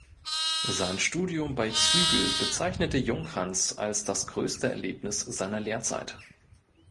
Sein Studium bei Zügel bezeichnete Junghanns als das größte Erlebnis seiner Lehrzeit.